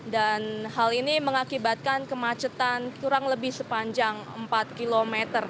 dan hal ini mengakibatkan kemacetan kurang lebih sepanjang empat km